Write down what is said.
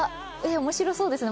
面白そうですね。